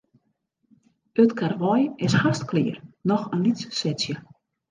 It karwei is hast klear, noch in lyts setsje.